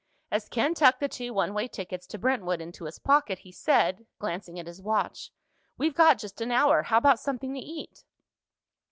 As Ken tucked the two one way tickets to Brentwood into his pocket he said, glancing at his watch, "We've got just an hour. How about something to eat?"